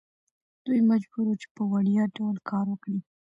دوی مجبور وو چې په وړیا ډول کار وکړي.